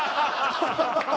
ハハハハ！